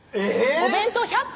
お弁当１００個